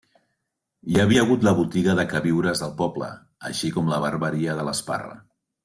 Hi havia hagut la botiga de queviures del poble així com la barbaria de l’Esparra.